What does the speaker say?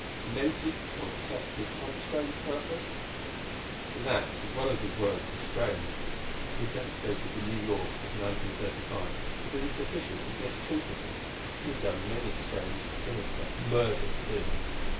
Demented, or obsessed with some strange purpose? His acts as well as his words, were strange. He had devastated the New York of 1935 because its officials had mistreated him. He had done many strange, sinister, murderous things.